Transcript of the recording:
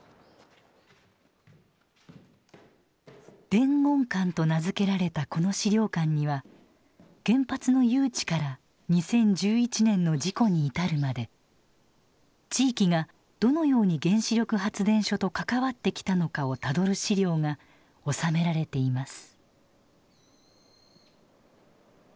伝言館と名付けられたこの資料館には原発の誘致から２０１１年の事故に至るまで地域がどのように原子力発電所と関わってきたのかをたどる資料が収められています。